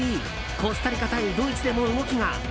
コスタリカ対ドイツでも動きが。